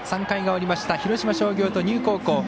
３回が終わりました広島商業と丹生高校。